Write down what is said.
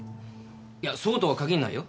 いやそうとは限んないよ。